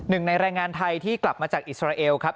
หนึ่งในแรงงานไทยที่กลับมาจากอิสราเอลครับ